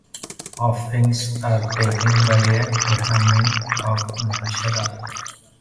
Offerings are taken by a Brahmin of Mansehra.